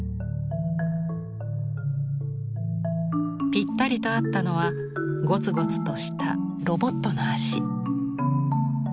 ピッタリと合ったのはゴツゴツとしたロボットの足。